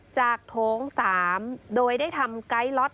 จากโทง๓โดยได้ทำกั๊ยร็อต